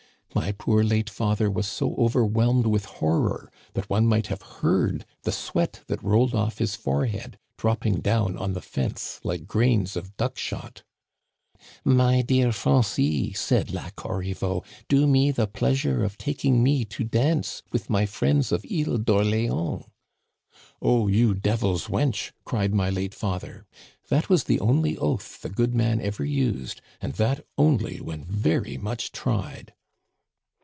My poor late father was so overwhelmed with horror that one might have heard the sweat that rolled off his forehead dropping down on the fence like grains of duck shot. Digitized by VjOOQIC LA CORRIVEAU. 51 "* My dear Francis/ said La Corriveau, * do me the pleasure of taking me to dance with my friends of Isle d'Orléan?' "* Oh, you devil's wench !' cried my late father. That was the only oath the good man ever used, and that only when very much tried."